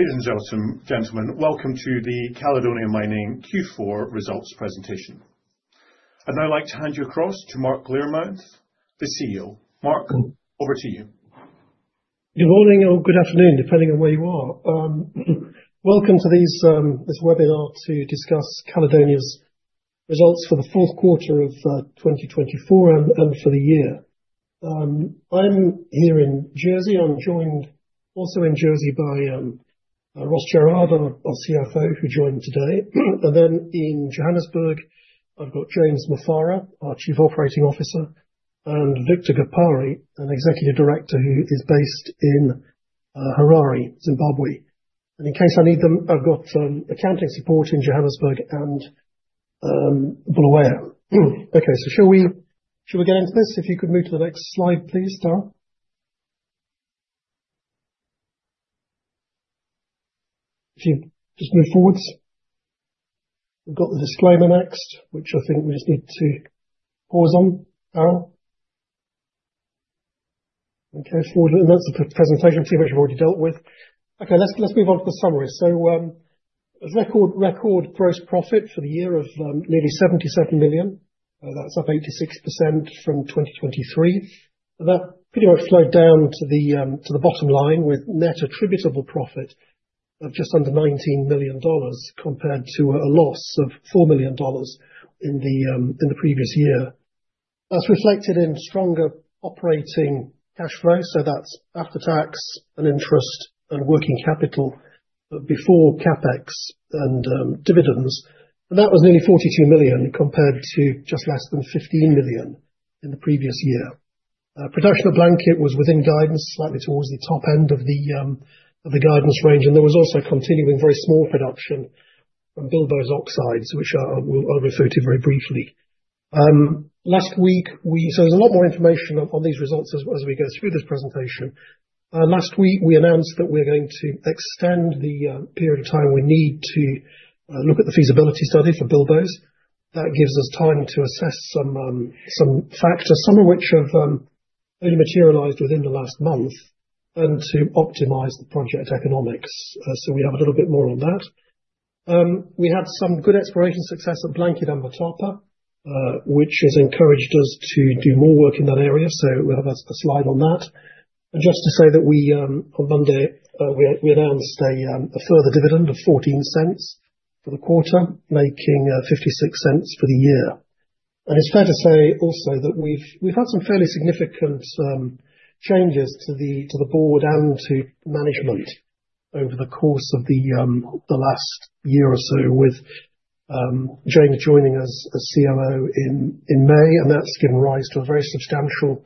Ladies and gentlemen, welcome to the Caledonia Mining Q4 Results Presentation. I'd now like to hand you across to Mark Learmonth, the CEO. Mark, over to you. Good morning or good afternoon, depending on where you are. Welcome to this webinar to discuss Caledonia's results for the fourth quarter of 2024 and for the year. I'm here in Jersey. I'm joined also in Jersey by Ross Jerrard, our CFO, who joined today. In Johannesburg, I've got James Mufara, our Chief Operating Officer, and Victor Gapare, an Executive Director who is based in Harare, Zimbabwe. In case I need them, I've got accounting support in Johannesburg and Bulawayo. Okay, shall we get into this? If you could move to the next slide, please, Daryl. If you just move forwards. We've got the disclaimer next, which I think we just need to pause on, Daryl. Okay, forward a little bit. That's the presentation too much we've already dealt with. Okay, let's move on to the summary. Record gross profit for the year of nearly $77 million. That's up 86% from 2023. That pretty much slowed down to the bottom line with net attributable profit of just under $19 million compared to a loss of $4 million in the previous year. That's reflected in stronger operating cash flow. That's after tax and interest and working capital before CapEx and dividends. That was nearly $42 million compared to just less than $15 million in the previous year. Production of Blanket was within guidance, slightly towards the top end of the guidance range. There was also continuing very small production from Bilboes oxides, which I will refer to very briefly. Last week, we—so there's a lot more information on these results as we go through this presentation. Last week, we announced that we're going to extend the period of time we need to look at the feasibility study for Bilboes. That gives us time to assess some factors, some of which have only materialized within the last month, and to optimize the project economics. We have a little bit more on that. We had some good exploration success at Blanket and Motapa, which has encouraged us to do more work in that area. We will have a slide on that. Just to say that we, on Monday, we announced a further dividend of $0.14 for the quarter, making $0.56 for the year. It is fair to say also that we've had some fairly significant changes to the board and to management over the course of the last year or so, with James joining as CMO in May. That has given rise to a very substantial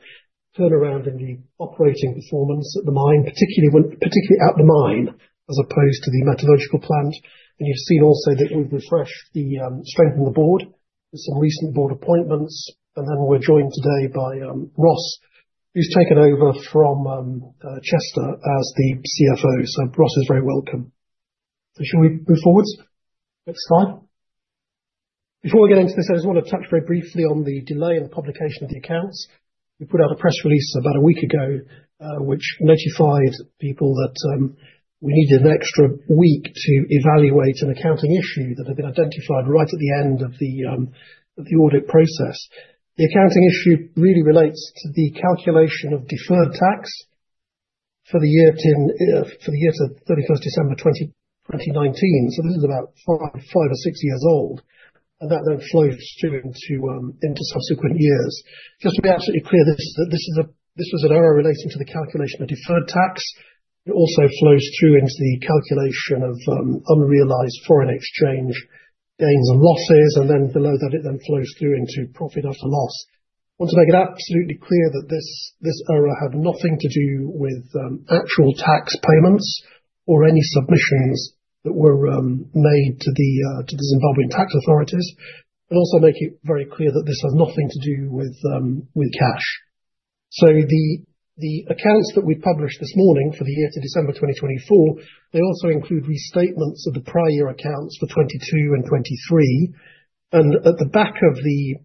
turnaround in the operating performance at the mine, particularly at the mine as opposed to the metallurgical plant. You have seen also that we have refreshed and strengthened the board with some recent board appointments. We are joined today by Ross, who has taken over from Chester as the CFO. Ross is very welcome. Shall we move forward? Next slide. Before we get into this, I just want to touch very briefly on the delay in the publication of the accounts. We put out a press release about a week ago, which notified people that we needed an extra week to evaluate an accounting issue that had been identified right at the end of the audit process. The accounting issue really relates to the calculation of deferred tax for the year to 31 December 2019. This is about five or six years old. That then flows through into subsequent years. Just to be absolutely clear, this was an error relating to the calculation of deferred tax. It also flows through into the calculation of unrealized foreign exchange gains and losses. Below that, it then flows through into profit after loss. I want to make it absolutely clear that this error had nothing to do with actual tax payments or any submissions that were made to the Zimbabwean tax authorities. I also want to make it very clear that this has nothing to do with cash. The accounts that we published this morning for the year to December 2024 also include restatements of the prior year accounts for 2022 and 2023. At the back of the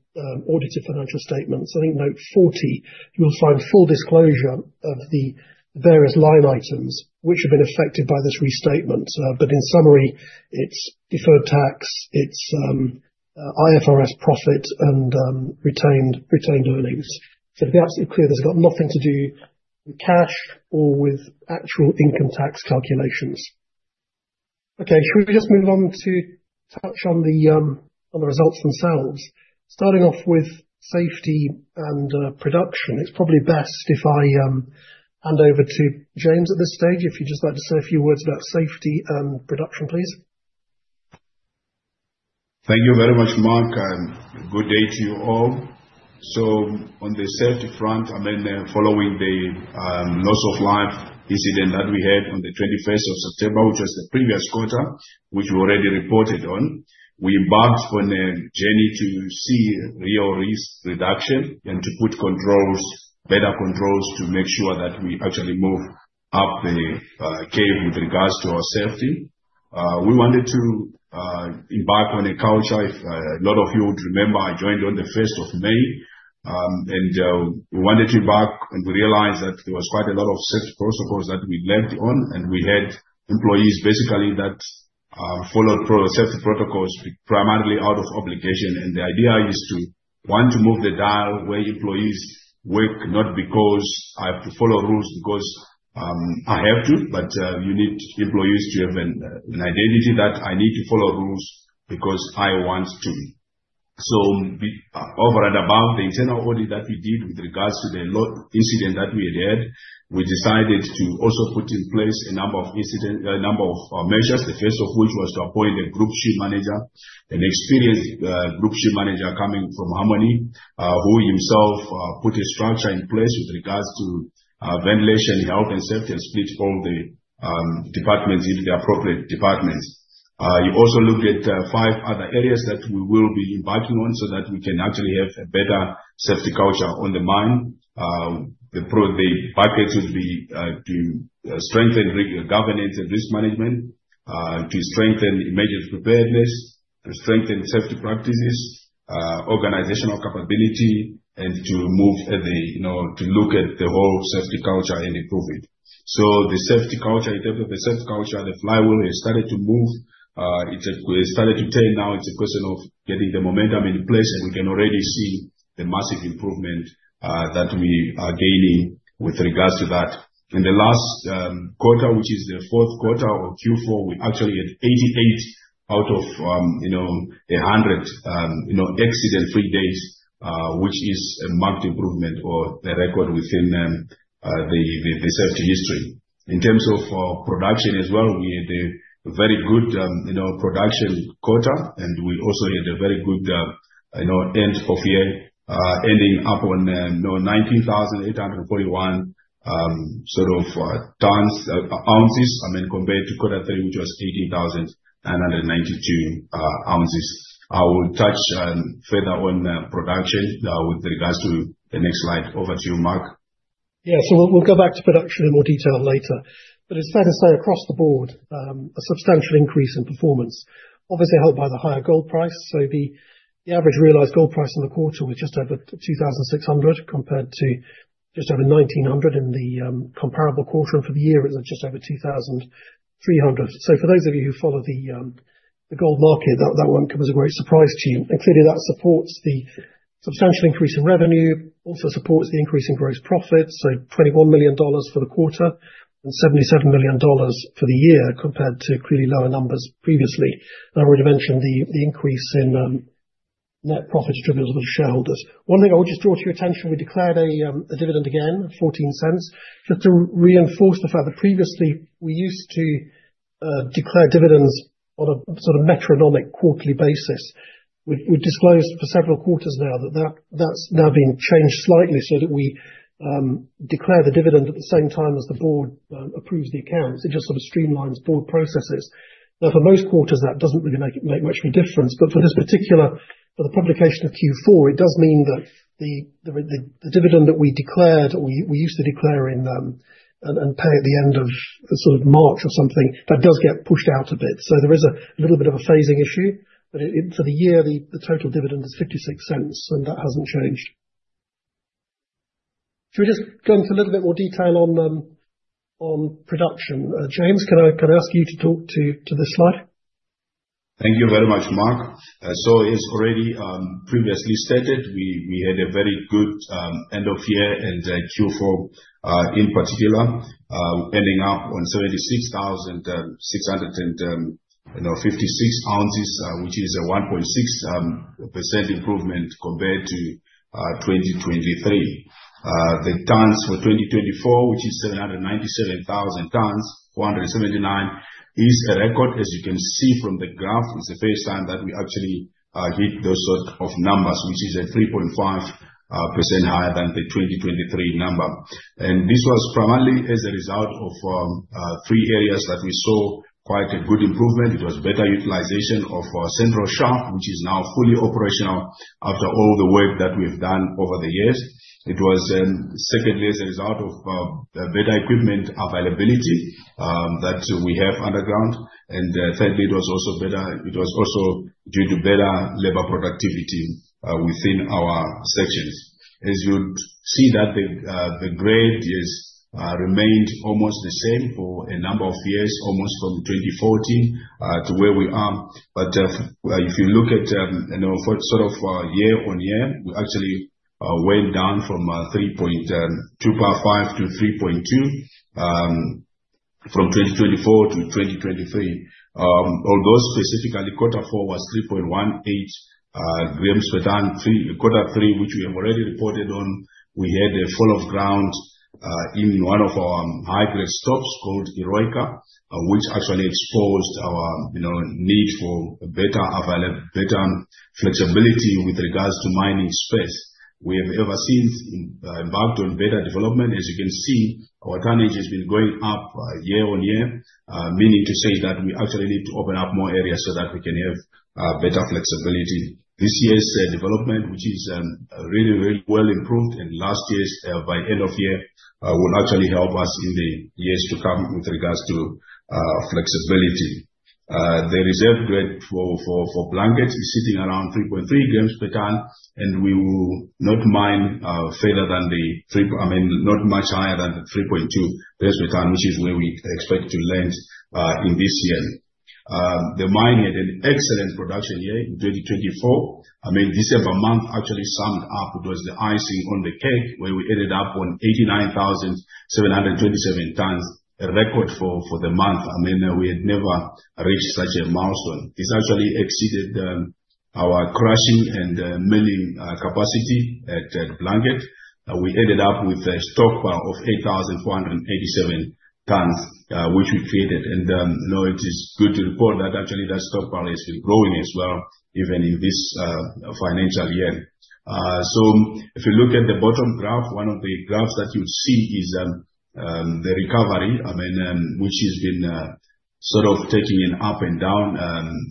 audited financial statements, I think note 40, you'll find full disclosure of the various line items which have been affected by this restatement. In summary, it's deferred tax, it's IFRS profit, and retained earnings. To be absolutely clear, this has got nothing to do with cash or with actual income tax calculations. Okay, shall we just move on to touch on the results themselves? Starting off with safety and production, it's probably best if I hand over to James at this stage. If you'd just like to say a few words about safety and production, please. Thank you very much, Mark. Good day to you all. On the safety front, I mean, following the loss of life incident that we had on the 21st of September, which was the previous quarter, which we already reported on, we embarked on a journey to see real risk reduction and to put better controls to make sure that we actually move up the cave with regards to our safety. We wanted to embark on a culture, if a lot of you would remember, I joined on the 1st of May. We wanted to embark, and we realized that there was quite a lot of safety protocols that we left on. We had employees basically that followed safety protocols primarily out of obligation. The idea is to want to move the dial where employees work, not because I have to follow rules because I have to, but you need employees to have an identity that I need to follow rules because I want to. Over and above the internal audit that we did with regards to the incident that we had had, we decided to also put in place a number of measures, the first of which was to appoint a group chief manager, an experienced group chief manager coming from Harmony, who himself put a structure in place with regards to ventilation, health, and safety, and split all the departments into the appropriate departments. He also looked at five other areas that we will be embarking on so that we can actually have a better safety culture on the mine. The bucket would be to strengthen governance and risk management, to strengthen emergency preparedness, to strengthen safety practices, organizational capability, and to move to look at the whole safety culture and improve it. The safety culture, the safety culture, the flywheel has started to move. It started to turn now. It's a question of getting the momentum in place. We can already see the massive improvement that we are gaining with regards to that. In the last quarter, which is the fourth quarter or Q4, we actually had 88 out of 100 accident-free days, which is a marked improvement or a record within the safety history. In terms of production as well, we had a very good production quarter. We also had a very good end of year ending up on 19,841 ounces, I mean, compared to quarter three, which was 18,992 ounces. I will touch further on production with regards to the next slide. Over to you, Mark. Yeah, we'll go back to production in more detail later. It's fair to say across the board, a substantial increase in performance, obviously helped by the higher gold price. The average realized gold price in the quarter was just over $2,600 compared to just over $1,900 in the comparable quarter. For the year, it was just over $2,300. For those of you who follow the gold market, that won't come as a great surprise to you. That supports the substantial increase in revenue and also supports the increase in gross profits. $21 million for the quarter and $77 million for the year compared to clearly lower numbers previously. I already mentioned the increase in net profit attributable to shareholders. One thing I would just draw to your attention, we declared a dividend again, $0.14, just to reinforce the fact that previously we used to declare dividends on a sort of metronomic quarterly basis. We've disclosed for several quarters now that that's now been changed slightly so that we declare the dividend at the same time as the board approves the accounts. It just sort of streamlines board processes. Now, for most quarters, that doesn't really make much of a difference. For this particular, for the publication of Q4, it does mean that the dividend that we declared, or we used to declare and pay at the end of sort of March or something, that does get pushed out a bit. There is a little bit of a phasing issue. For the year, the total dividend is $0.56, and that hasn't changed. Shall we just go into a little bit more detail on production? James, can I ask you to talk to this slide? Thank you very much, Mark. As already previously stated, we had a very good end of year and Q4 in particular, ending up on 76,656 ounces, which is a 1.6% improvement compared to 2023. The tons for 2024, which is 797,479 tons, is a record. As you can see from the graph, it is the first time that we actually hit those sort of numbers, which is 3.5% higher than the 2023 number. This was primarily as a result of three areas where we saw quite a good improvement. It was better utilization of central shaft, which is now fully operational after all the work that we have done over the years. It was secondly as a result of better equipment availability that we have underground. Thirdly, it was also due to better labor productivity within our sections. As you'd see, the grade has remained almost the same for a number of years, almost from 2014 to where we are. If you look at sort of year on year, we actually went down from 3.255 to 3.2 from 2024 to 2023. Although specifically, quarter four was 3.18 grams per ton, quarter three, which we have already reported on, we had a fall of ground in one of our high-grade stopes called Heroica, which actually exposed our need for better flexibility with regards to mining space. We have since embarked on better development. As you can see, our tonnage has been going up year on year, meaning to say that we actually need to open up more areas so that we can have better flexibility. This year's development, which is really well improved, and last year's by end of year will actually help us in the years to come with regards to flexibility. The reserve grade for Blanket is sitting around 3.3 grams per ton, and we will not mine further than the, I mean, not much higher than 3.2 grams per ton, which is where we expect to land in this year. The mine had an excellent production year in 2024. I mean, December month actually summed up, it was the icing on the cake where we ended up on 89,727 tons, a record for the month. I mean, we had never reached such a milestone. It actually exceeded our crushing and milling capacity at Blanket. We ended up with a stockpile of 8,487 tons, which we created. It is good to report that actually that stockpile has been growing as well, even in this financial year. If you look at the bottom graph, one of the graphs that you'll see is the recovery, I mean, which has been sort of taking an up and down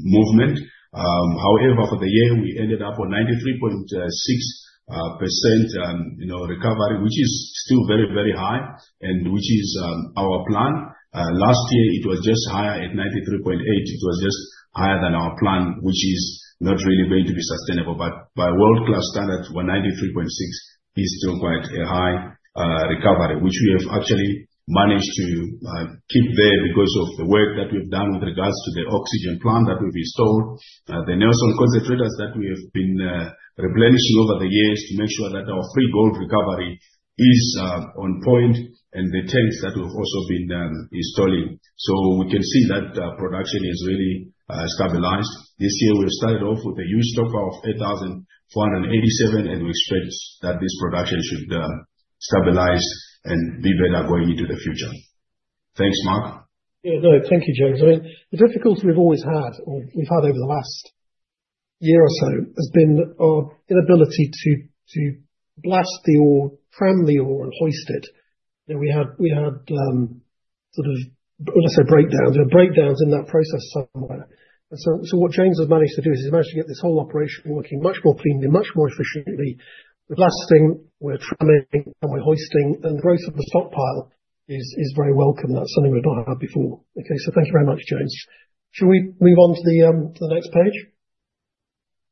movement. However, for the year, we ended up on 93.6% recovery, which is still very, very high, and which is our plan. Last year, it was just higher at 93.8%. It was just higher than our plan, which is not really going to be sustainable. By world-class standards, 93.6% is still quite a high recovery, which we have actually managed to keep there because of the work that we've done with regards to the oxygen plant that we've installed, the Knelson concentrators that we have been replenishing over the years to make sure that our free gold recovery is on point, and the tanks that we've also been installing. We can see that production is really stabilized. This year, we've started off with a huge stockpile of 8,487, and we expect that this production should stabilize and be better going into the future. Thanks, Mark. Yeah, no, thank you, James. I mean, the difficulty we've always had, or we've had over the last year or so, has been our inability to blast the ore, tram the ore, and hoist it. We had sort of, I'll just say, breakdowns. We had breakdowns in that process somewhere. What James has managed to do is he's managed to get this whole operation working much more cleanly, much more efficiently with blasting, with tramming, and with hoisting. The growth of the stockpile is very welcome. That's something we've not had before. Okay, thank you very much, James. Shall we move on to the next page?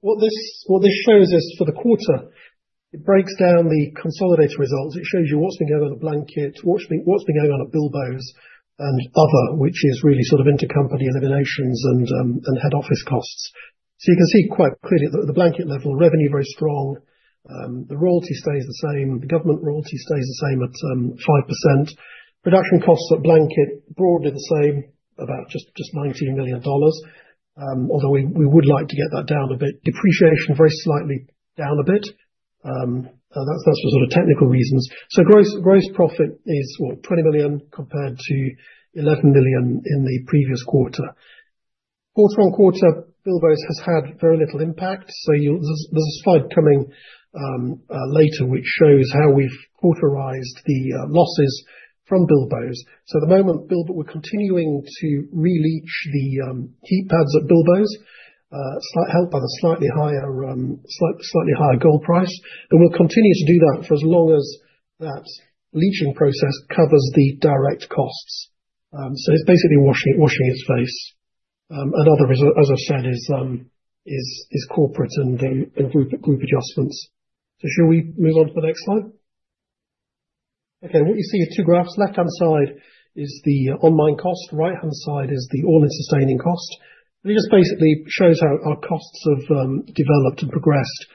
What this shows us for the quarter, it breaks down the consolidated results. It shows you what's been going on at Blanket, what's been going on at Bilboes, and other, which is really sort of intercompany eliminations and head office costs. You can see quite clearly at the Blanket level, revenue very strong. The royalty stays the same. The government royalty stays the same at 5%. Production costs at Blanket, broadly the same, about just $19 million, although we would like to get that down a bit. Depreciation very slightly down a bit. That's for sort of technical reasons. Gross profit is, what, $20 million compared to $11 million in the previous quarter. Quarter on quarter, Bilboes has had very little impact. There is a slide coming later which shows how we've quarterized the losses from Bilboes. At the moment, we're continuing to re-leach the heap pads at Bilboes, helped by the slightly higher gold price. We will continue to do that for as long as that leaching process covers the direct costs. It is basically washing its face. Other, as I have said, is corporate and group adjustments. Shall we move on to the next slide? What you see are two graphs. Left-hand side is the on-mine cost. Right-hand side is the all-in sustaining cost. It just basically shows how our costs have developed and progressed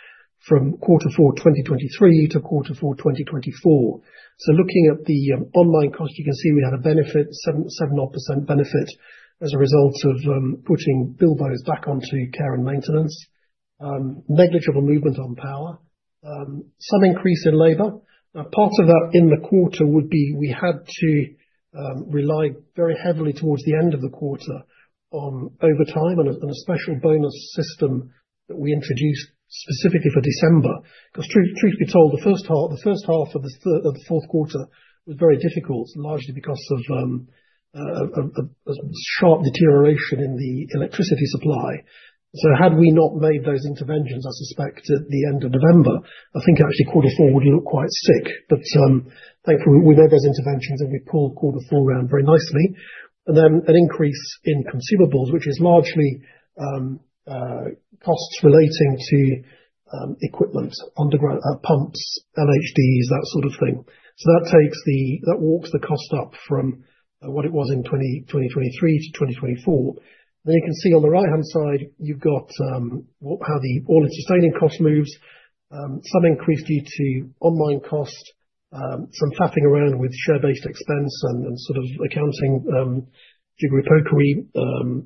from quarter four, 2023, to quarter four, 2024. Looking at the on-mine cost, you can see we had a benefit, 7% odd benefit as a result of putting Bilboes back onto care and maintenance. Negligible movement on power. Some increase in labor. Now, part of that in the quarter would be we had to rely very heavily towards the end of the quarter on overtime and a special bonus system that we introduced specifically for December. Because, truth be told, the first half of the fourth quarter was very difficult, largely because of a sharp deterioration in the electricity supply. Had we not made those interventions, I suspect at the end of November, I think actually quarter four would look quite sick. Thankfully, we made those interventions and we pulled quarter four round very nicely. Then an increase in consumables, which is largely costs relating to equipment, underground pumps, LHDs, that sort of thing. That walks the cost up from what it was in 2023 to 2024. You can see on the right-hand side, you have how the all-in sustaining cost moves. Some increase due to on-mine cost, some faffing around with share-based expense and sort of accounting jiggery-pokery,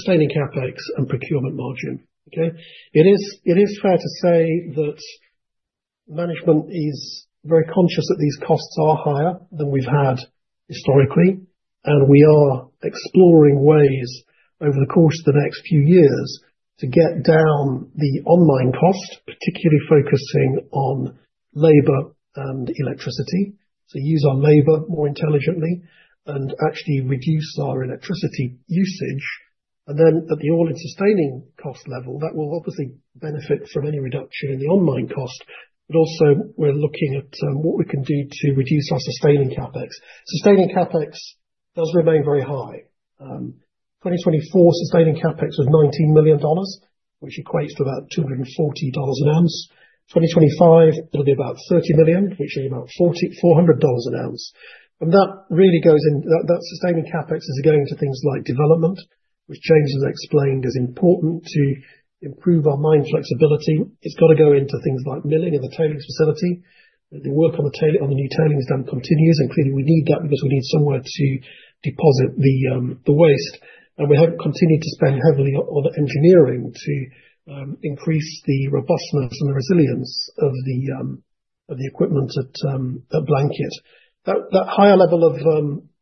sustaining CapEx, and procurement margin. Okay? It is fair to say that management is very conscious that these costs are higher than we've had historically. We are exploring ways over the course of the next few years to get down the on-mine cost, particularly focusing on labor and electricity. Use our labor more intelligently and actually reduce our electricity usage. At the all-in sustaining cost level, that will obviously benefit from any reduction in the on-mine cost. We are also looking at what we can do to reduce our sustaining CapEx. Sustaining CapEx does remain very high. In 2024, sustaining CapEx was $19 million, which equates to about $240 an ounce. In 2025, it'll be about $30 million, which is about $400 an ounce. That really goes in that sustaining CapEx is going to things like development, which James has explained is important to improve our mine flexibility. It's got to go into things like milling and the tailings facility. The work on the new tailings dump continues, including we need that because we need somewhere to deposit the waste. We have continued to spend heavily on engineering to increase the robustness and the resilience of the equipment at Blanket. That higher level of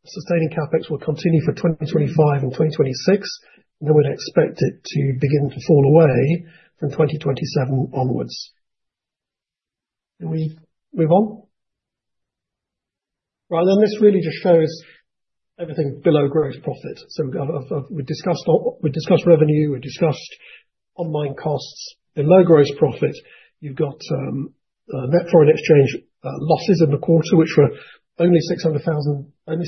sustaining CapEx will continue for 2025 and 2026. We would expect it to begin to fall away from 2027 onwards. Can we move on? Right, this really just shows everything below gross profit. We discussed revenue. We discussed on-mine costs. Below gross profit, you've got net foreign exchange losses in the quarter, which were only $600,000 in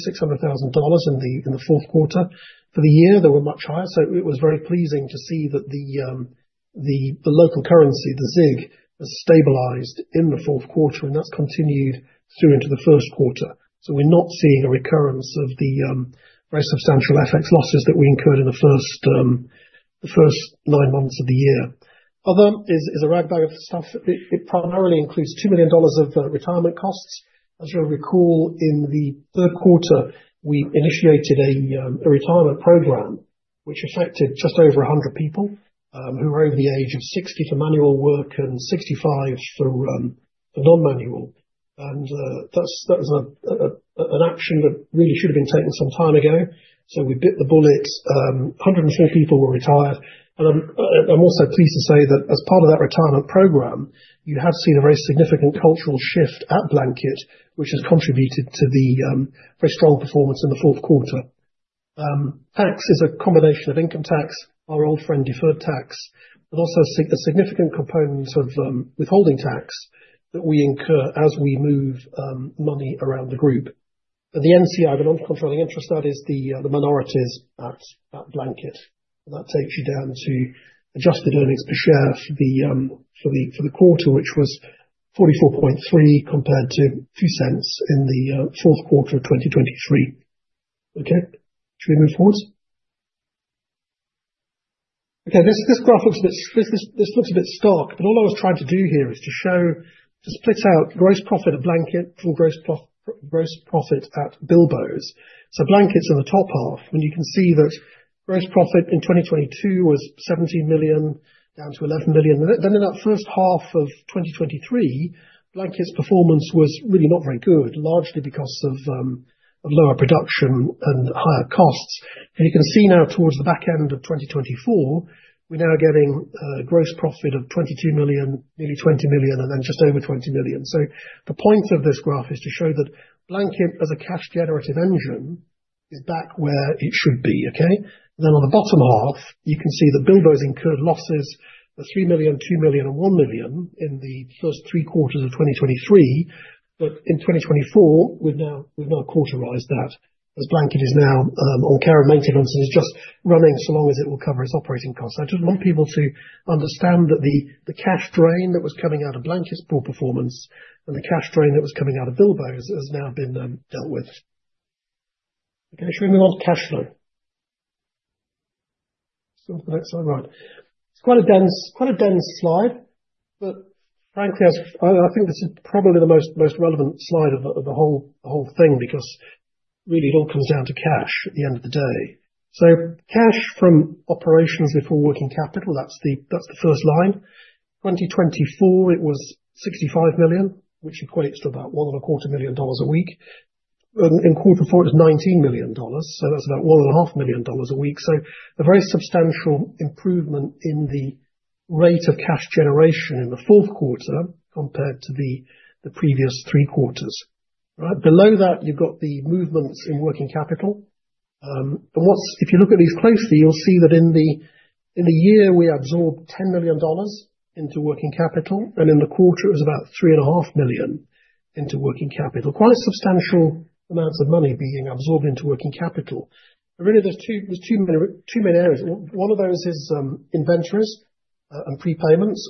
the fourth quarter. For the year, they were much higher. It was very pleasing to see that the local currency, the ZiG, has stabilized in the fourth quarter. That has continued through into the first quarter. We are not seeing a recurrence of the very substantial FX losses that we incurred in the first nine months of the year. Other is a ragbag of stuff. It primarily includes $2 million of retirement costs. As you will recall, in the third quarter, we initiated a retirement program, which affected just over 100 people who were over the age of 60 for manual work and 65 for non-manual. That was an action that really should have been taken some time ago. We bit the bullet. 104 people were retired. I'm also pleased to say that as part of that retirement program, you have seen a very significant cultural shift at Blanket, which has contributed to the very strong performance in the fourth quarter. Tax is a combination of income tax, our old friend deferred tax, but also a significant component of withholding tax that we incur as we move money around the group. The NCI, the non-controlling interest, that is the minorities at Blanket. That takes you down to adjusted earnings per share for the quarter, which was $0.443 compared to $0.02 in the fourth quarter of 2023. Okay, shall we move forward? This graph looks a bit stark. All I was trying to do here is to show, to split out gross profit at Blanket from gross profit at Bilboes. Blanket's in the top half, and you can see that gross profit in 2022 was $17 million, down to $11 million. In that first half of 2023, Blanket's performance was really not very good, largely because of lower production and higher costs. You can see now towards the back end of 2024, we're now getting a gross profit of $22 million, nearly $20 million, and then just over $20 million. The point of this graph is to show that Blanket, as a cash-generative engine, is back where it should be. On the bottom half, you can see that Bilboes incurred losses of $3 million, $2 million, and $1 million in the first three quarters of 2023. In 2024, we've now quarterized that, as Blanket is now on care and maintenance and is just running so long as it will cover its operating costs. I just want people to understand that the cash drain that was coming out of Blanket's poor performance and the cash drain that was coming out of Bilboes has now been dealt with. Okay, shall we move on to cash flow? Let's go to the next slide. Right. It's quite a dense slide. Frankly, I think this is probably the most relevant slide of the whole thing because really it all comes down to cash at the end of the day. Cash from operations before working capital, that's the first line. 2024, it was $65 million, which equates to about $1.25 million a week. In quarter four, it was $19 million. That's about $1.5 million a week. A very substantial improvement in the rate of cash generation in the fourth quarter compared to the previous three quarters. Right? Below that, you've got the movements in working capital. If you look at these closely, you'll see that in the year, we absorbed $10 million into working capital. In the quarter, it was about $3.5 million into working capital. Quite substantial amounts of money being absorbed into working capital. There are really two main areas. One of those is inventories and prepayments.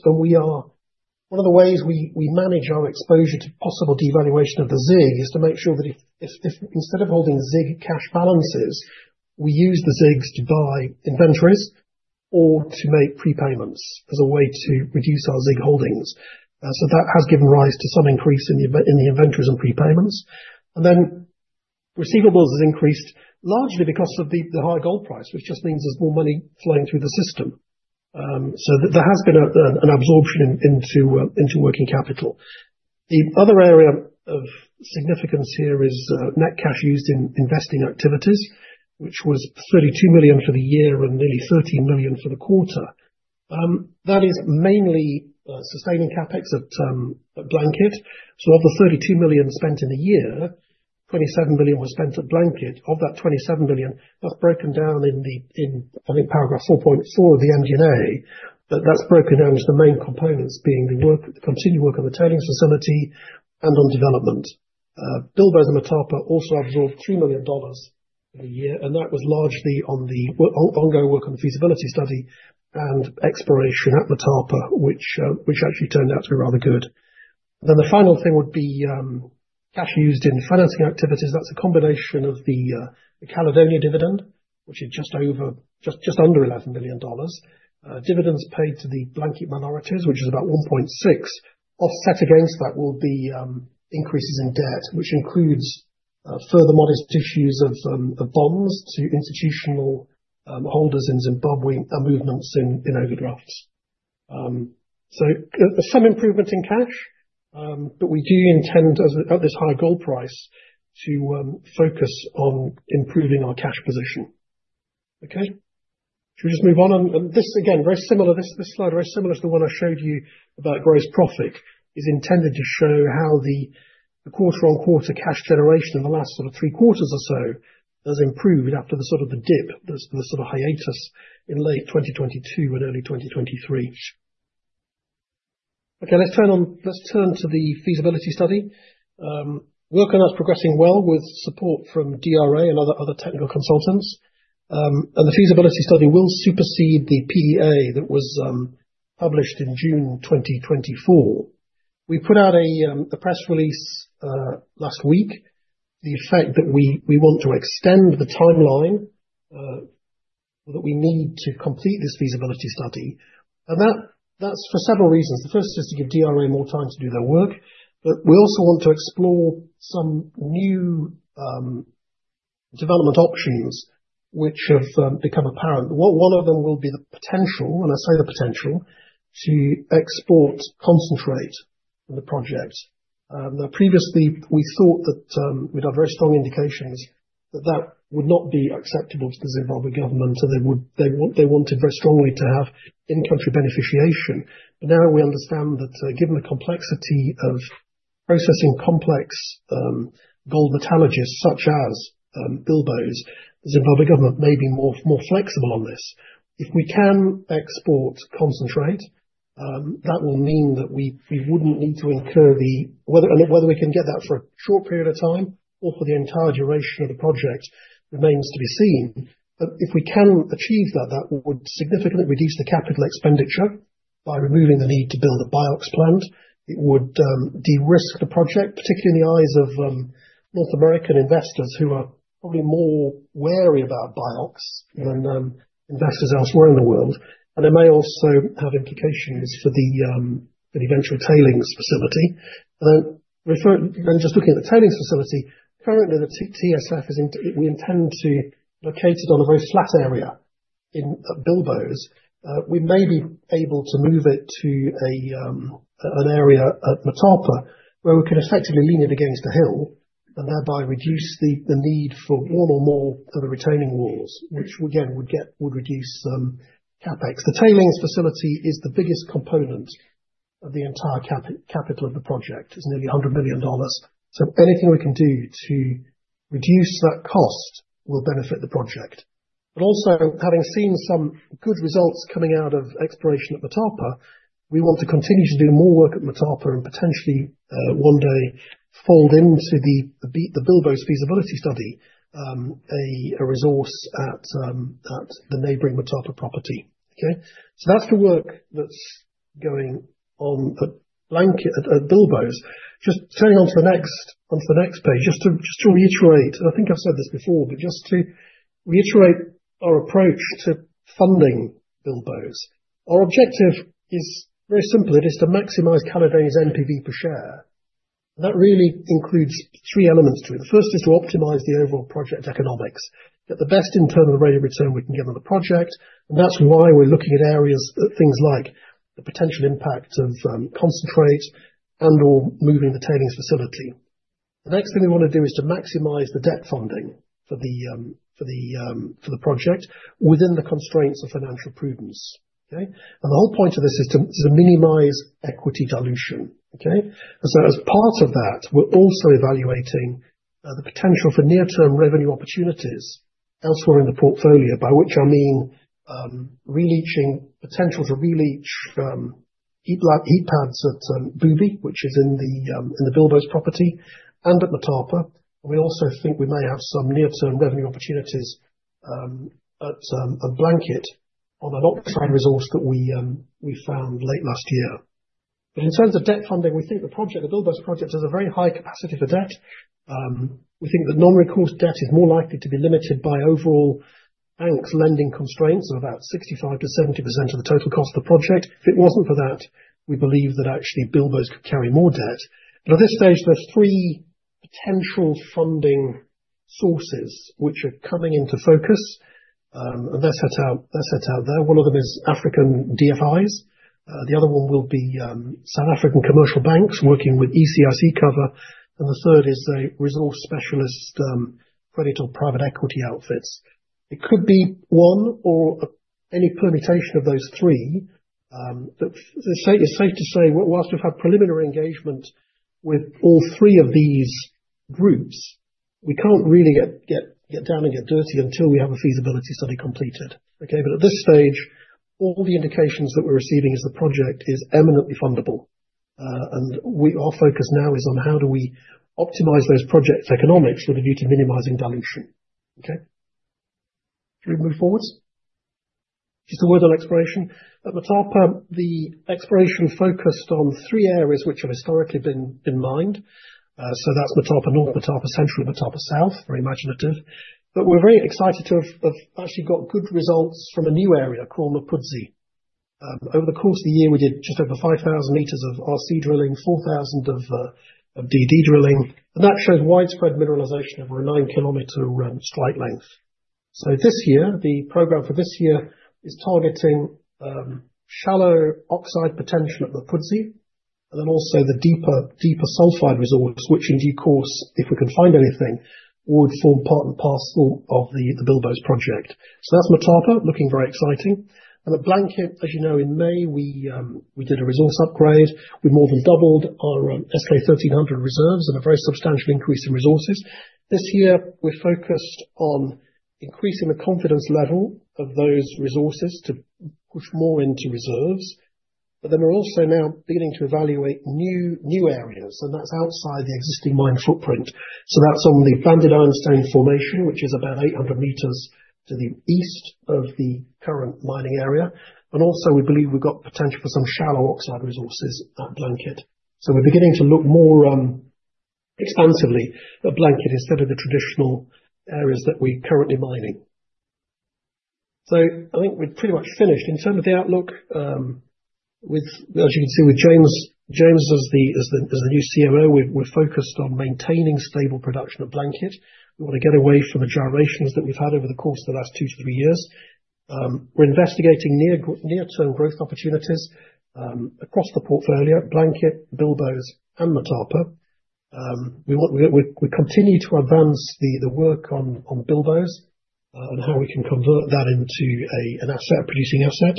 One of the ways we manage our exposure to possible devaluation of the ZiG is to make sure that if instead of holding ZiG cash balances, we use the ZiGs to buy inventories or to make prepayments as a way to reduce our ZiG holdings. That has given rise to some increase in the inventories and prepayments. Receivables has increased largely because of the high gold price, which just means there's more money flowing through the system. There has been an absorption into working capital. The other area of significance here is net cash used in investing activities, which was $32 million for the year and nearly $13 million for the quarter. That is mainly sustaining CapEx at Blanket. Of the $32 million spent in a year, $27 million was spent at Blanket. Of that $27 million, that's broken down in paragraph 4.4 of the MG&A. That's broken down as the main components being the continued work on the tailings facility and on development. Bilboes and Motapa also absorbed $3 million in a year. That was largely on the ongoing work on the feasibility study and exploration at Motapa, which actually turned out to be rather good. The final thing would be cash used in financing activities. That's a combination of the Caledonia dividend, which is just under $11 million. Dividends paid to the Blanket minorities, which is about $1.6 million. Offset against that will be increases in debt, which includes further modest issues of bonds to institutional holders in Zimbabwe and movements in overdrafts. Some improvement in cash, but we do intend, at this high gold price, to focus on improving our cash position. Okay? Shall we just move on? This, again, very similar, this slide, very similar to the one I showed you about gross profit, is intended to show how the quarter-on-quarter cash generation in the last sort of three quarters or so has improved after the sort of the dip, the sort of hiatus in late 2022 and early 2023. Okay, let's turn to the feasibility study. Work on that's progressing well with support from DRA and other technical consultants. The feasibility study will supersede the PEA that was published in June 2024. We put out a press release last week, the fact that we want to extend the timeline that we need to complete this feasibility study. That's for several reasons. The first is to give DRA more time to do their work. We also want to explore some new development options which have become apparent. One of them will be the potential, and I say the potential, to export concentrate in the project. Previously, we thought that we'd had very strong indications that that would not be acceptable to the Zimbabwe government, and they wanted very strongly to have in-country beneficiation. Now we understand that given the complexity of processing complex gold metallurgists such as Bilboes, the Zimbabwe government may be more flexible on this. If we can export concentrate, that will mean that we would not need to incur the whether we can get that for a short period of time or for the entire duration of the project remains to be seen. If we can achieve that, that would significantly reduce the capital expenditure by removing the need to build a BIOX plant. It would de-risk the project, particularly in the eyes of North American investors who are probably more wary about BIOX than investors elsewhere in the world. It may also have implications for the eventual tailings facility. Just looking at the tailings facility, currently the TSF, we intend to locate it on a very flat area in Bilboes. We may be able to move it to an area at Motapa where we can effectively lean it against a hill and thereby reduce the need for one or more of the retaining walls, which again would reduce CapEx. The tailings facility is the biggest component of the entire capital of the project. It's nearly $100 million. Anything we can do to reduce that cost will benefit the project. Also, having seen some good results coming out of exploration at Motapa, we want to continue to do more work at Motapa and potentially one day fold into the Bilboes feasibility study a resource at the neighboring Motapa property. Okay? That's the work that's going on at Bilboes. Just turning onto the next page, just to reiterate, and I think I've said this before, just to reiterate our approach to funding Bilboes. Our objective is very simple. It is to maximize Caledonia's NPV per share. That really includes three elements to it. The first is to optimize the overall project economics, get the best internal rate of return we can get on the project. That is why we are looking at areas of things like the potential impact of concentrate and/or moving the tailings facility. The next thing we want to do is to maximize the debt funding for the project within the constraints of financial prudence. The whole point of this is to minimize equity dilution. As part of that, we are also evaluating the potential for near-term revenue opportunities elsewhere in the portfolio, by which I mean potential to really heap pads at Bilboes, which is in the Bilboes property, and at Motapa. We also think we may have some near-term revenue opportunities at Blanket on an oxide resource that we found late last year. In terms of debt funding, we think the project, the Bilboes project, has a very high capacity for debt. We think the non-recourse debt is more likely to be limited by overall banks' lending constraints of about 65-70% of the total cost of the project. If it was not for that, we believe that actually Bilboes could carry more debt. At this stage, there are three potential funding sources which are coming into focus, and they are set out there. One of them is African DFIs. The other one will be South African commercial banks working with ECIC Cover. The third is a resource specialist credit or private equity outfits. It could be one or any permutation of those three. It is safe to say, whilst we've had preliminary engagement with all three of these groups, we can't really get down and get dirty until we have a feasibility study completed. Okay? At this stage, all the indications that we're receiving is the project is eminently fundable. Our focus now is on how do we optimize those projects' economics with a view to minimizing dilution. Okay? Shall we move forward? Just a word on exploration. At Motapa, the exploration focused on three areas which have historically been mined. That is Motapa North, Motapa Central, Motapa South. Very imaginative. We are very excited to have actually got good results from a new area called Mpudzi. Over the course of the year, we did just over 5,000 meters of RC drilling, 4,000 of DD drilling. That shows widespread mineralization of a 9-kilometer strike length. This year, the program for this year is targeting shallow oxide potential at Mpudzi, and then also the deeper sulfide resource, which in due course, if we can find anything, would form part and parcel of the Bilboes project. That's Motapa, looking very exciting. At Blanket, as you know, in May, we did a resource upgrade. We more than doubled our S-K 1300 reserves and a very substantial increase in resources. This year, we're focused on increasing the confidence level of those resources to push more into reserves. We're also now beginning to evaluate new areas, and that's outside the existing mine footprint. That's on the Banded Ironstone Formation, which is about 800 meters to the east of the current mining area. We believe we've got potential for some shallow oxide resources at Blanket. We're beginning to look more expansively at Blanket instead of the traditional areas that we're currently mining. I think we've pretty much finished. In terms of the outlook, as you can see, with James, James as the new COO, we're focused on maintaining stable production at Blanket. We want to get away from the gyrations that we've had over the course of the last two to three years. We're investigating near-term growth opportunities across the portfolio: Blanket, Bilboes, and Motapa. We continue to advance the work on Bilboes and how we can convert that into an asset, a producing asset.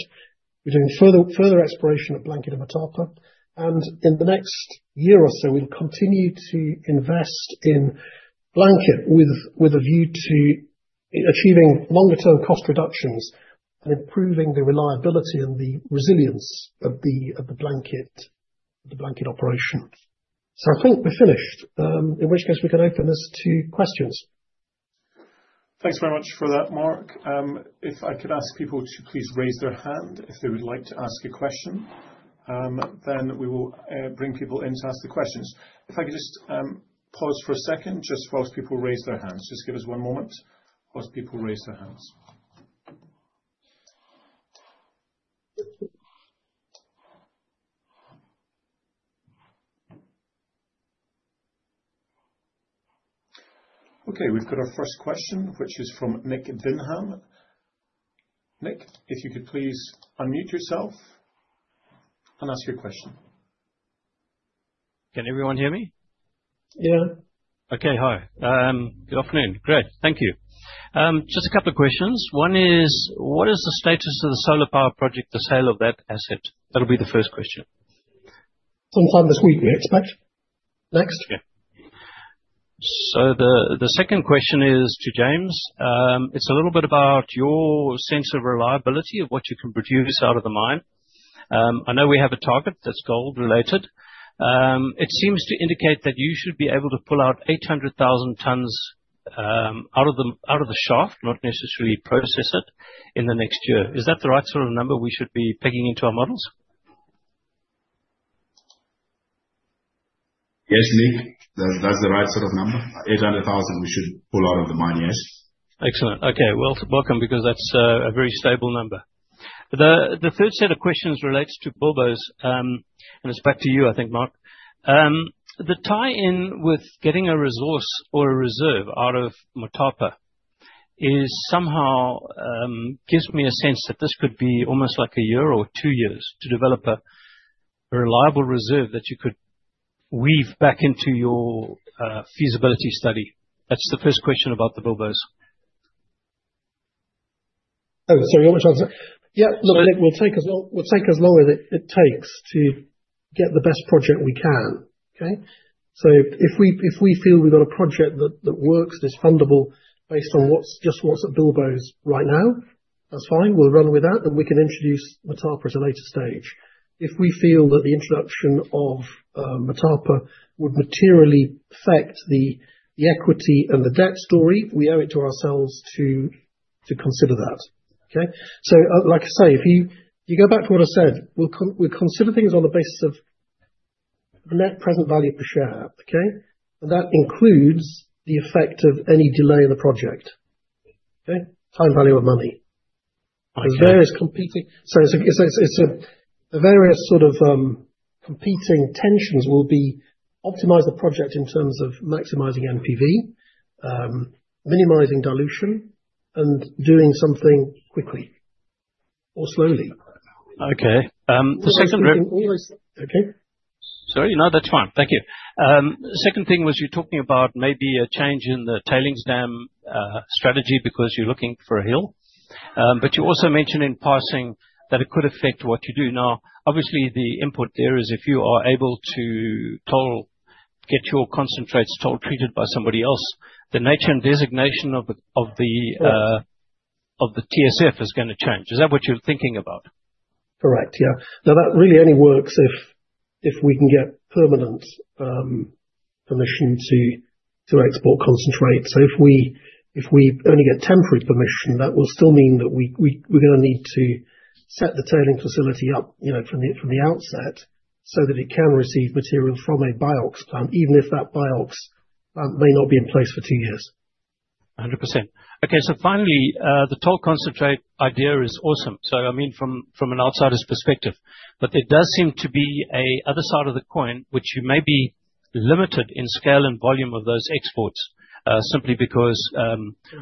We're doing further exploration at Blanket and Motapa. In the next year or so, we'll continue to invest in Blanket with a view to achieving longer-term cost reductions and improving the reliability and the resilience of the Blanket operation. I think we're finished, in which case we can open this to questions. Thanks very much for that, Mark. If I could ask people to please raise their hand if they would like to ask a question, then we will bring people in to ask the questions. If I could just pause for a second, just whilst people raise their hands. Just give us one moment whilst people raise their hands. Okay, we've got our first question, which is from Nic Dinham. Nic, if you could please unmute yourself and ask your question. Can everyone hear me? Yeah. Okay, hi. Good afternoon. Great. Thank you. Just a couple of questions. One is, what is the status of the solar power project, the sale of that asset? That'll be the first question. Sometime this week, we expect. Next. Okay. The second question is to James. It's a little bit about your sense of reliability of what you can produce out of the mine. I know we have a target that's gold-related. It seems to indicate that you should be able to pull out 800,000 tons out of the shaft, not necessarily process it, in the next year. Is that the right sort of number we should be pegging into our models? Yes, Nic. That's the right sort of number. 800,000 we should pull out of the mine, yes. Excellent. Okay. Welcome, because that's a very stable number. The third set of questions relates to Bilboes, and it's back to you, I think, Mark. The tie-in with getting a resource or a reserve out of Motapa somehow gives me a sense that this could be almost like a year or two years to develop a reliable reserve that you could weave back into your feasibility study. That's the first question about the Bilboes. Oh, sorry, you want me to answer? Yeah. Look, Nic, we'll take as long as it takes to get the best project we can. Okay? If we feel we've got a project that works, that's fundable based on just what's at Bilboes right now, that's fine. We'll run with that, and we can introduce Motapa at a later stage. If we feel that the introduction of Motapa would materially affect the equity and the debt story, we owe it to ourselves to consider that. Okay? Like I say, if you go back to what I said, we'll consider things on the basis of net present value per share. Okay? That includes the effect of any delay in the project. Okay? Time value of money. The various sort of competing tensions will be optimize the project in terms of maximizing NPV, minimizing dilution, and doing something quickly or slowly. Okay. The second. Sorry. No, that's fine. Thank you. The second thing was you're talking about maybe a change in the tailings dam strategy because you're looking for a hill. You also mentioned in passing that it could affect what you do. Obviously, the input there is if you are able to get your concentrates toll-treated by somebody else, the nature and designation of the TSF is going to change. Is that what you're thinking about? Correct. Yeah. Now, that really only works if we can get permanent permission to export concentrates. If we only get temporary permission, that will still mean that we're going to need to set the tailings facility up from the outset so that it can receive material from a BIOX plant, even if that BIOX plant may not be in place for two years. 100%. Okay. Finally, the toll-concentrate idea is awesome, I mean, from an outsider's perspective. It does seem to be the other side of the coin, which you may be limited in scale and volume of those exports simply because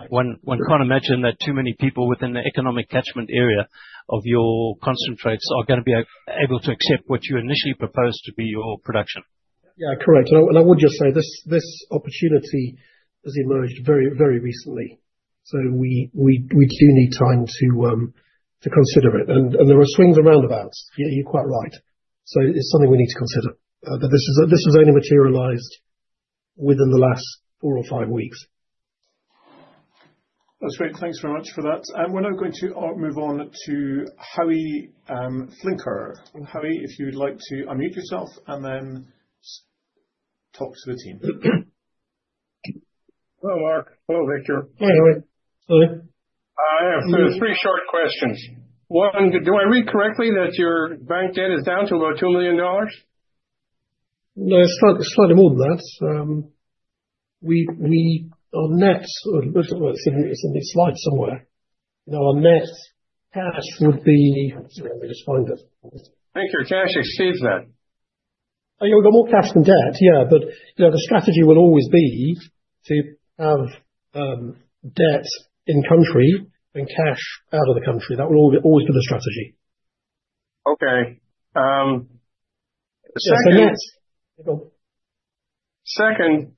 one can't imagine that too many people within the economic catchment area of your concentrates are going to be able to accept what you initially proposed to be your production. Yeah, correct. I would just say this opportunity has emerged very, very recently. We do need time to consider it. There are swings and roundabouts. You're quite right. It is something we need to consider. This has only materialized within the last four or five weeks. That's great. Thanks very much for that. We're now going to move on to Howie Flinker. Howie, if you'd like to unmute yourself and then talk to the team. Hello, Mark. Hello, Victor. Hi, Howie. Hi. I have three short questions. One, do I read correctly that your bank debt is down to about $2 million? No, slightly more than that. On net, it's in the slide somewhere. Our net cash would be let me just find it. Thank you. Cash exceeds that. You've got more cash than debt, yeah. The strategy will always be to have debt in country and cash out of the country. That will always be the strategy. Okay. Second. Second,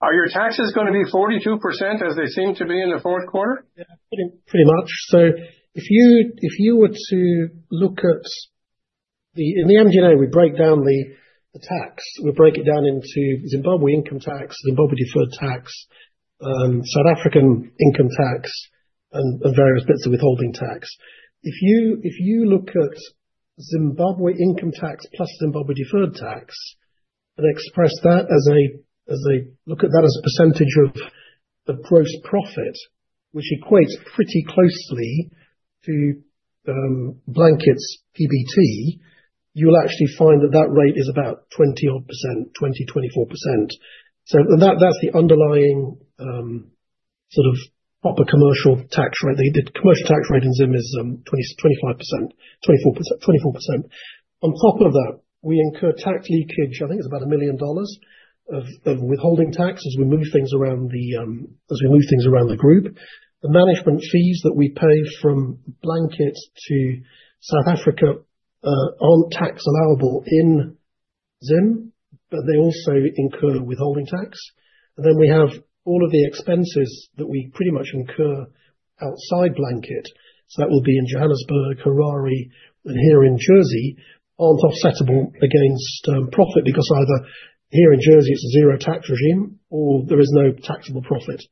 are your taxes going to be 42% as they seem to be in the fourth quarter? Yeah, pretty much. If you were to look at the in the MG&A, we break down the tax. We break it down into Zimbabwe income tax, Zimbabwe deferred tax, South African income tax, and various bits of withholding tax. If you look at Zimbabwe income tax plus Zimbabwe deferred tax and express that as a look at that as a percentage of gross profit, which equates pretty closely to Blanket's PBT, you'll actually find that that rate is about 20-odd percent, 20, 24%. That's the underlying sort of proper commercial tax rate. The commercial tax rate in Zim is 25%, 24%. On top of that, we incur tax leakage. I think it's about $1 million of withholding tax as we move things around the group. The management fees that we pay from Blanket to South Africa aren't tax allowable in Zim, but they also incur withholding tax. We have all of the expenses that we pretty much incur outside Blanket. That will be in Johannesburg, Harare, and here in Jersey, and they aren't offsetable against profit because either here in Jersey, it's a zero tax regime, or there is no taxable profit.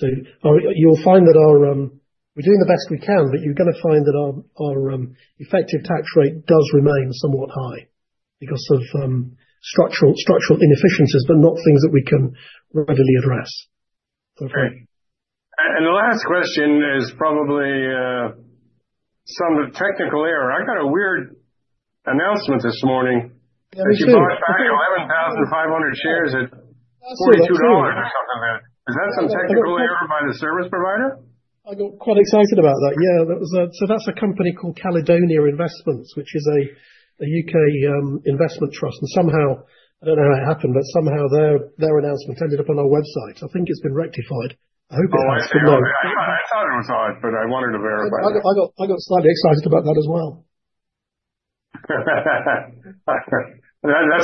You'll find that we're doing the best we can, but you're going to find that our effective tax rate does remain somewhat high because of structural inefficiencies, but not things that we can readily address. Okay. The last question is probably some technical error. I got a weird announcement this morning. You bought back 11,500 shares at $42 or something there. Is that some technical error by the service provider? I got quite excited about that. Yeah. So that's a company called Caledonia Investments, which is a U.K. investment trust. And somehow, I do not know how it happened, but somehow their announcement ended up on our website. I think it's been rectified. I hope it has. I'm slightly excited about that, but I wanted to verify. I got slightly excited about that as well. That's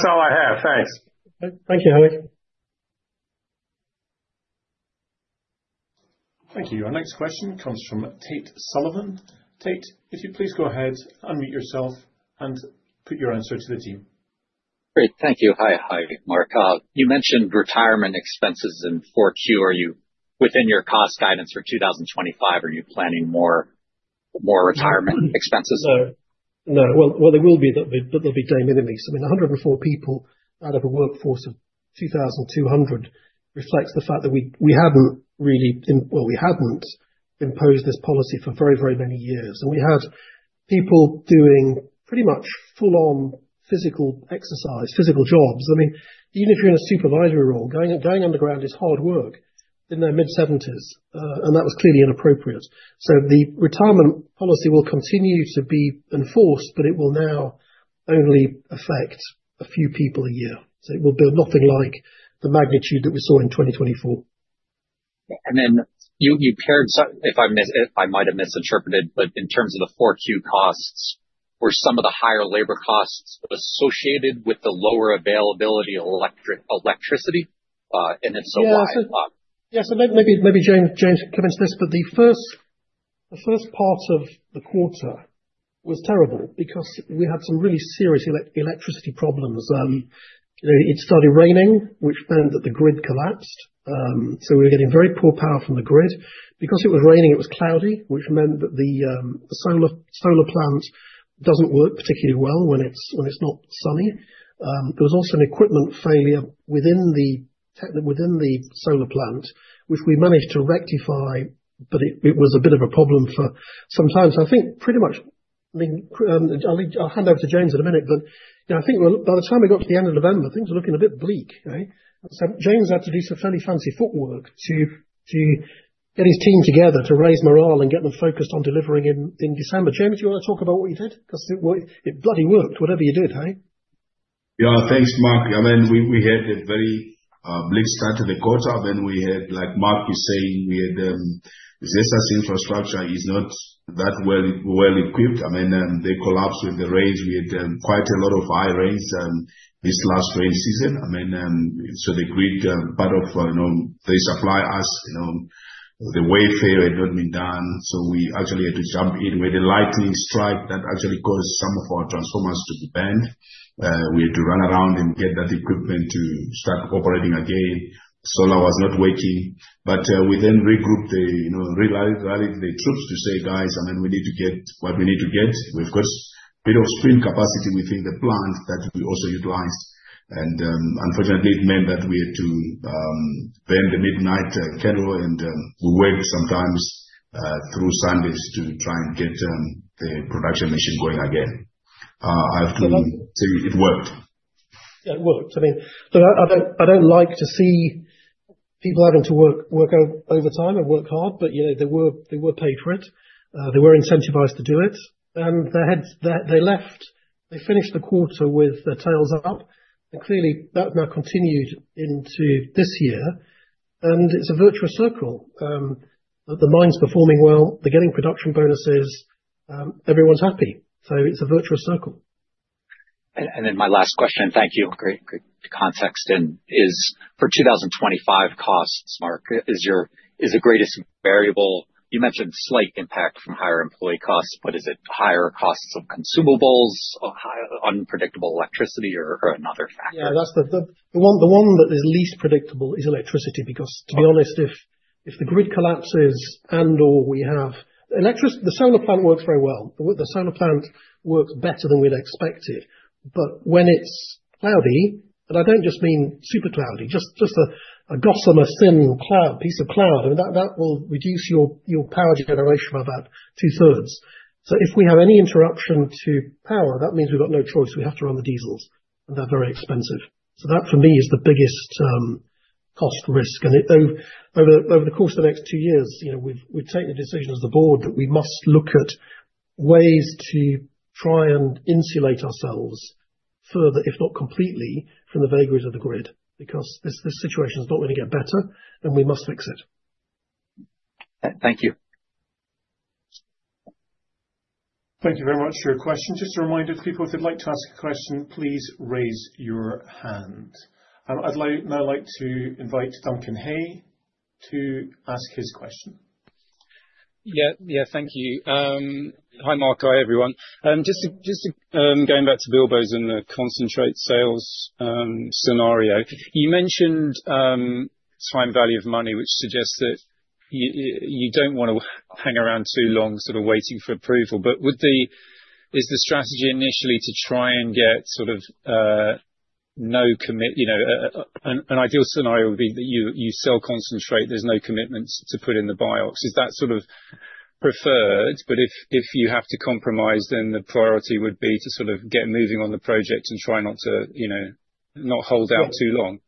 all I have. Thanks. Thank you, Howie. Thank you. Our next question comes from Tate Sullivan. Tate, if you please go ahead, unmute yourself, and put your answer to the team. Great. Thank you. Hi, Howie, Mark. You mentioned retirement expenses in Q4. Within your cost guidance for 2025, are you planning more retirement expenses? No. No. They will be, but they'll be damn enemies. I mean, 104 people out of a workforce of 2,200 reflects the fact that we haven't really, well, we haven't imposed this policy for very, very many years. And we had people doing pretty much full-on physical exercise, physical jobs. I mean, even if you're in a supervisory role, going underground is hard work. In their mid-70s, and that was clearly inappropriate. So the retirement policy will continue to be enforced, but it will now only affect a few people a year. It will be nothing like the magnitude that we saw in 2024. You paired, if I might have misinterpreted, but in terms of the 4Q costs, were some of the higher labor costs associated with the lower availability of electricity? If so, why? Yeah. Maybe James can commence this, but the first part of the quarter was terrible because we had some really serious electricity problems. It started raining, which meant that the grid collapsed. We were getting very poor power from the grid. Because it was raining, it was cloudy, which meant that the solar plant does not work particularly well when it is not sunny. There was also an equipment failure within the solar plant, which we managed to rectify, but it was a bit of a problem for some time. I think pretty much I will hand over to James in a minute, but I think by the time we got to the end of November, things were looking a bit bleak. James had to do some fairly fancy footwork to get his team together to raise morale and get them focused on delivering in December. James, do you want to talk about what you did? Because it bloody worked, whatever you did, hey? Yeah. Thanks, Mark. I mean, we had a very bleak start to the quarter. Like Mark is saying, we had the resources infrastructure is not that well equipped. I mean, they collapsed with the rains. We had quite a lot of high rains this last rain season. I mean, the grid part of they supply us, the wayfare had not been done. We actually had to jump in with the lightning strike that actually caused some of our transformers to be burned. We had to run around and get that equipment to start operating again. Solar was not working. We then regrouped the troops to say, "Guys, I mean, we need to get what we need to get." We've got a bit of spring capacity within the plant that we also utilized. Unfortunately, it meant that we had to bend the midnight kettle, and we worked sometimes through Sundays to try and get the production machine going again. I have to say it worked. Yeah, it worked. I mean, look, I don't like to see people having to work overtime and work hard, but they were paid for it. They were incentivized to do it. They left. They finished the quarter with their tails up. Clearly, that now continued into this year. It's a virtuous circle. The mine's performing well. They're getting production bonuses. Everyone's happy. It's a virtuous circle. My last question, thank you. Great context. For 2025 costs, Mark, is the greatest variable you mentioned slight impact from higher employee costs, but is it higher costs of consumables, unpredictable electricity, or another factor? Yeah, the one that is least predictable is electricity because, to be honest, if the grid collapses and/or we have the solar plant works very well. The solar plant works better than we'd expected. When it's cloudy, and I don't just mean super cloudy, just a gossamer thin piece of cloud, I mean, that will reduce your power generation by about two-thirds. If we have any interruption to power, that means we've got no choice. We have to run the diesels, and they're very expensive. That, for me, is the biggest cost risk. Over the course of the next two years, we've taken the decision as the board that we must look at ways to try and insulate ourselves further, if not completely, from the vagaries of the grid because this situation is not going to get better, and we must fix it. Thank you. Thank you very much for your question. Just a reminder, people, if you'd like to ask a question, please raise your hand. I'd now like to invite Duncan Hay to ask his question. Yeah. Thank you. Hi, Mark. Hi, everyone. Just going back to Bilboes and the concentrate sales scenario, you mentioned time value of money, which suggests that you don't want to hang around too long sort of waiting for approval. Is the strategy initially to try and get sort of no commit? An ideal scenario would be that you sell concentrate. There's no commitment to put in the BIOX. Is that sort of preferred? But if you have to compromise, then the priority would be to sort of get moving on the project and try not to not hold out too long.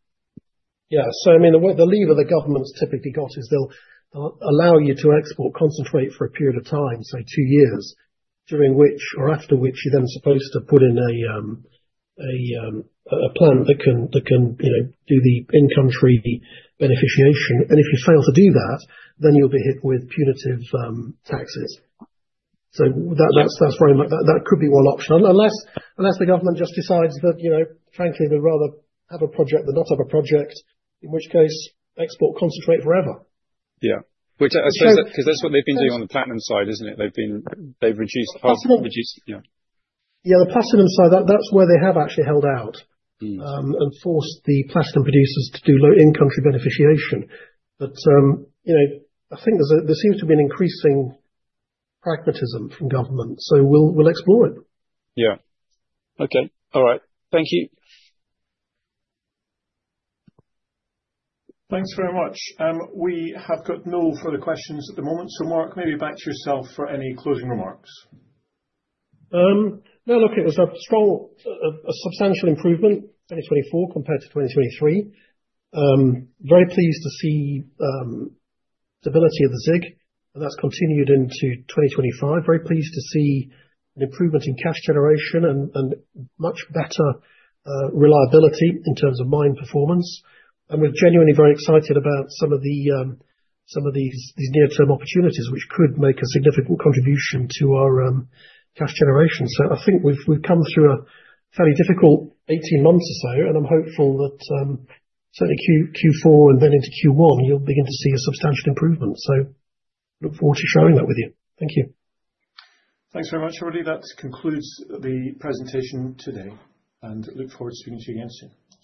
Yeah. I mean, the lever the government's typically got is they'll allow you to export concentrate for a period of time, say, two years, during which or after which you're then supposed to put in a plant that can do the in-country beneficiation. If you fail to do that, then you'll be hit with punitive taxes. That could be one option. Unless the government just decides that, frankly, they'd rather have a project than not have a project, in which case export concentrate forever. Yeah. Because that's what they've been doing on the platinum side, isn't it? They've reduced the plastic yeah. Yeah. The platinum side, that's where they have actually held out and forced the plastic producers to do low in-country beneficiation. I think there seems to be an increasing pragmatism from government. We will explore it. Yeah. Okay. All right. Thank you. Thanks very much. We have got no further questions at the moment. Mark, maybe back to yourself for any closing remarks. No, look, it was a substantial improvement. 2024 compared to 2023. Very pleased to see stability of the ZiG, and that's continued into 2025. Very pleased to see an improvement in cash generation and much better reliability in terms of mine performance. We are genuinely very excited about some of these near-term opportunities, which could make a significant contribution to our cash generation. I think we've come through a fairly difficult 18 months or so, and I'm hopeful that certainly Q4 and then into Q1, you'll begin to see a substantial improvement. I look forward to sharing that with you. Thank you. Thanks very much, Howie. That concludes the presentation today, and I look forward to speaking to you again soon.